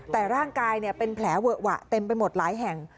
แต่ร่างกายเป็นแผลเวอะหวะเต็มไปหมดหลายแห่ง